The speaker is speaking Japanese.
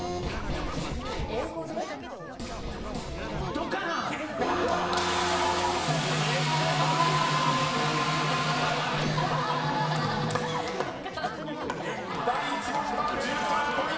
「ドカーン」［第１問は１３ポイント！］